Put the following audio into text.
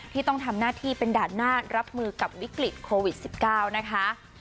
ที่ต้องทำหน้าที่เป็นด่านหน้ารับมือกับวิกฤตโควิด๑๙นะคะ